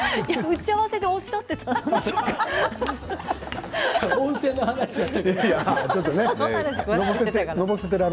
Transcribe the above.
打ち合わせでおっしゃっていたから。